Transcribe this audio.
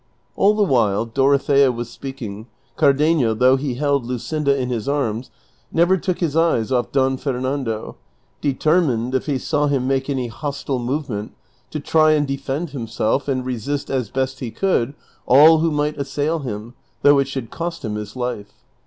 All the while Dorothea was speaking Cardenio, though he held Luscinda in his arms, never took his eyes off Don Fer nando, determined, if he saw him make any hostile movement, to try and defend himself and resist as best he could all who might assail him, though it should cost him his life.